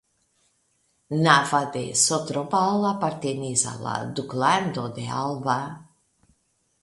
Nava de Sotrobal apartenis al la Duklando de Alba.